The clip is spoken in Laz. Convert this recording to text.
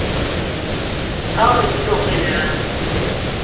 T̆aruni dido qini ren.